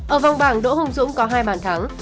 ở vòng bảng đỗ hùng dũng có hai bàn thắng